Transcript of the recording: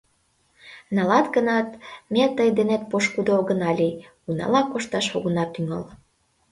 Налат гынат, ме тый денет пошкудо огына лий, унала кошташ огына тӱҥал.